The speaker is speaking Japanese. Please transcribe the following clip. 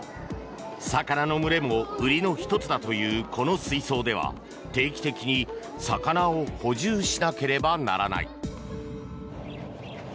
魚の群れも売りの１つだというこの水槽では定期的に魚を補充しなければならない。